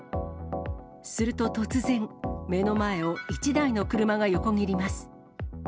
すると突然、目の前を１台の車が横切ります。